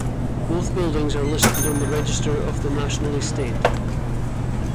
Both buildings are listed on the Register of the National Estate.